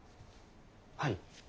はい。